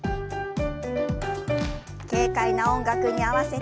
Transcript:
軽快な音楽に合わせて。